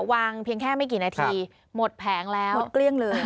เพียงแค่ไม่กี่นาทีหมดแผงแล้วหมดเกลี้ยงเลย